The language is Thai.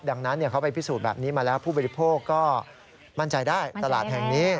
ดังนั้นเขาไปพิสูจน์แบบนี้มาแล้วผู้บริโภคก็มั่นใจได้ตลาดแห่งนี้